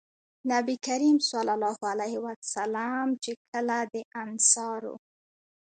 نبي کريم صلی الله عليه وسلم چې کله د انصارو